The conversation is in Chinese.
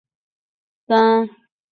蒂蒂雅。